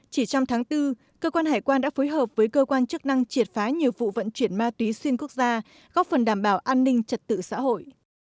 chỉ trong tháng bốn cơ quan hải quan đã phối hợp với cơ quan chức năng triệt phá nhiều vụ vận chuyển ma túy xuyên quốc gia góp phần đảm bảo an ninh trật tự xã hội